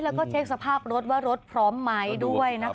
แล้วก็เช็คสภาพรถว่ารถพร้อมไหมด้วยนะคะ